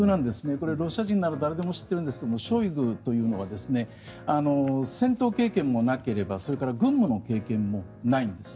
これ、ロシア人なら誰でも知ってるんですがショイグというのは戦闘経験もなければそれから軍務の経験もないんです。